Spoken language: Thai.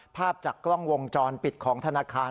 ภาพจากกล้องวงจรปิดของธนาคาร